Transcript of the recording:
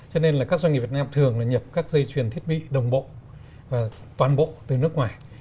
cho nên là các doanh nghiệp việt nam thường là nhập các dây chuyền thiết bị đồng bộ và toàn bộ từ nước ngoài